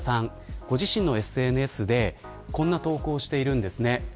ご自身のＳＮＳでこんな投稿をしているんです。